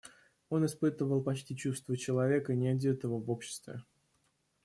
Он испытывал почти чувство человека неодетого в обществе.